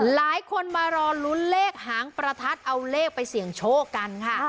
หลายคนมารอลุ้นเลขหางประทัดเอาเลขไปเสี่ยงโชคกันค่ะ